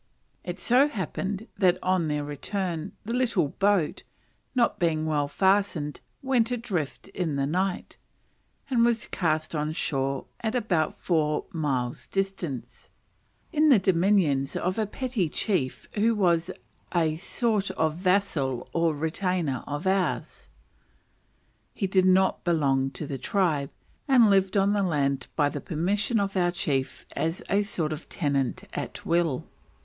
It so happened that on their return, the little boat, not being well fastened, went adrift in the night, and was cast on shore at about four miles distance, in the dominions of a petty chief who was a sort of vassal or retainer of ours. He did not belong to the tribe, and lived on the land by the permission of our chief as a sort of tenant at will.